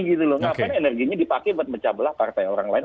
kenapa energinya dipakai untuk mencabalah partai orang lain